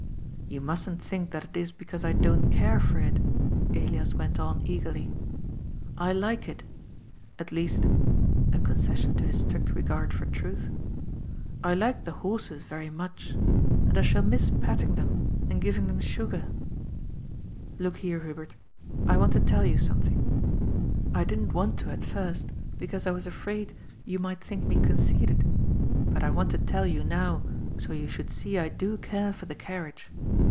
" You mustn't think that it is because I don't care for it," Elias went on eagerly. " I like it. At least " (a con cession to his strict regard for truth), " I like the horses very much. And I shall miss patting them and giving them sugar. Look here, Hubert, I want to tell you something — I didn't want to at first, because I was afraid you might think me conceited, but I want to tell you now so you should see I do care for the carriage.